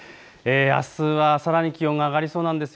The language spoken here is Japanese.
あすはさらに気温が上がりそうなんです。